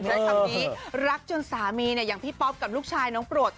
ใช้คำนี้รักจนสามีอย่างพี่ป๊อปกับลูกชายน้องโปรด